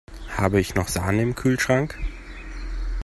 Habe ich noch Sahne im Kühlschrank?